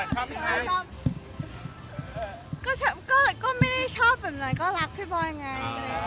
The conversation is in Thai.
ก็ไม่ได้ชอบแบบนั้นก็รักพี่บอยไง